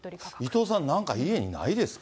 伊藤さん、なんか家にないですか？